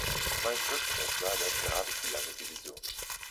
Mein Drittklässler lernt gerade die lange Division.